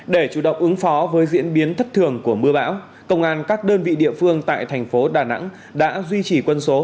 để chủ động ứng phó với diễn biến thất thường của mưa bão công an các đơn vị địa phương tại thành phố đà nẵng đã duy trì quân số